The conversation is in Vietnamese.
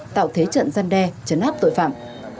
tạo thế trận gian đe chấn áp tội phạm